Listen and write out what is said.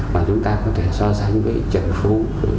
và chúng ta có thể so sánh với trần phú